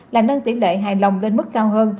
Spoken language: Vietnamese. là nâng tỷ lệ hài lòng lên mức cao hơn